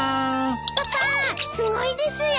パパすごいですよ。